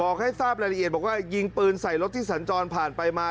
ให้ทราบรายละเอียดบอกว่ายิงปืนใส่รถที่สัญจรผ่านไปมา